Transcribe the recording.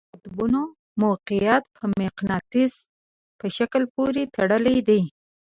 د قطبونو موقیعت په مقناطیس په شکل پورې تړلی دی.